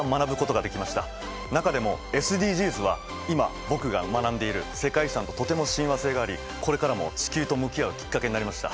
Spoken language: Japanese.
中でもＳＤＧｓは今僕が学んでいる世界遺産ととても親和性がありこれからも地球と向き合うきっかけになりました。